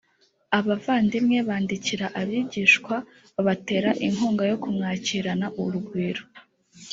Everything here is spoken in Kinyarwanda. abavandimwe bandikira abigishwa babatera inkunga yo kumwakirana urugwiro